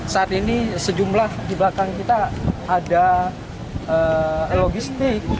saat ini sejumlah di belakang kita ada logistik